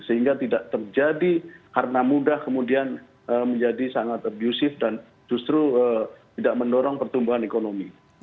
sehingga tidak terjadi karena mudah kemudian menjadi sangat abusive dan justru tidak mendorong pertumbuhan ekonomi